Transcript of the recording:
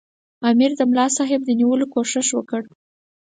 امیر د ملاصاحب د نیولو کوښښ وکړ.